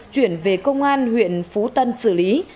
chuyển về công an huyện phú tân xử lý